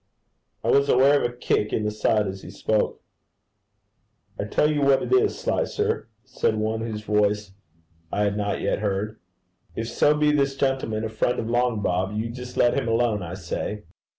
I was aware of a kick in the side as he spoke. 'I tell you what it is, Slicer,' said one whose voice I had not yet heard, 'if so be this gentleman's a friend of Long Bob, you just let him alone, I say.'